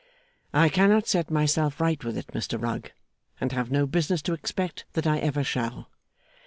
'I cannot set myself right with it, Mr Rugg, and have no business to expect that I ever shall.